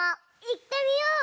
いってみよう！